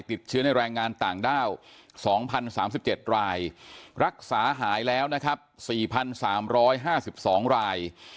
ติดเชื้อในแรงงานต่างด้าว๒๐๓๗รายรักษาหายแล้วนะครับ๔๓๕๒ราย